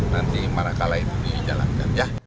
nanti mana kalah itu dijalankan